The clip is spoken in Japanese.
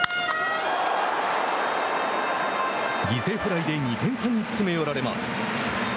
犠牲フライで２点差に詰め寄られます。